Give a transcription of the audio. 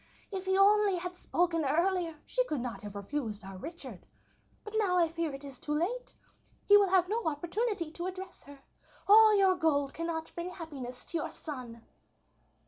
If he only had spoken earlier! She could not have refused our Richard. But now I fear it is too late. He will have no opportunity to address her. All your gold cannot bring happiness to your son."